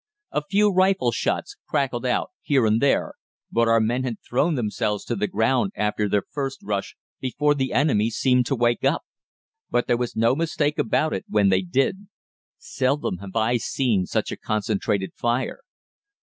A few rifle shots crackled out here and there, but our men had thrown themselves to the ground after their first rush before the enemy seemed to wake up. But there was no mistake about it when they did. Seldom have I seen such a concentrated fire.